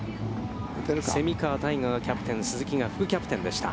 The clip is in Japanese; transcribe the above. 蝉川泰果がキャプテン、鈴木が副キャプテンでした。